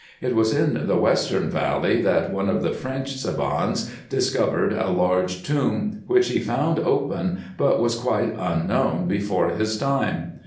It was in the western valley that one of the French savans discovered a large tomb, which he found open, but was quite unknown before his time.